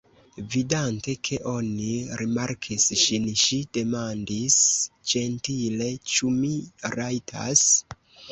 Vidante, ke oni rimarkis ŝin, ŝi demandis ĝentile: Ĉu mi rajtas?